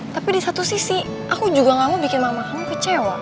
tapi di satu sisi aku juga gak mau bikin mama kamu kecewa